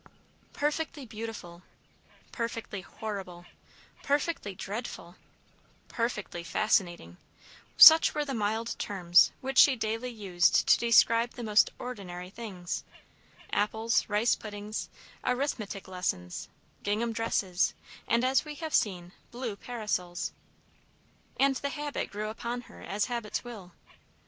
"Perfectly beautiful," "perfectly horrible," "perfectly dreadful," "perfectly fascinating," such were the mild terms which she daily used to describe the most ordinary things, apples, rice puddings, arithmetic lessons, gingham dresses, and, as we have seen, blue parasols! And the habit grew upon her, as habits will.